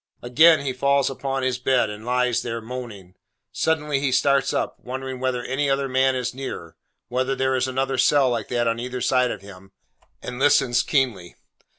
Again he falls upon his bed, and lies there, moaning. Suddenly he starts up, wondering whether any other man is near; whether there is another cell like that on either side of him: and listens keenly.